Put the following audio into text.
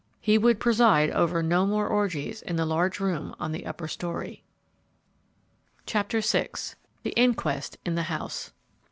He would preside over no more orgies in the large room on the upper story. VI. THE INQUEST IN THE HOUSE.